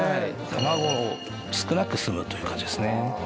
卵少なく済むという感じですね。